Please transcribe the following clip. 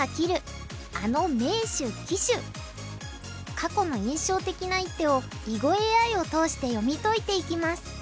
過去の印象的な一手を囲碁ＡＩを通して読み解いていきます。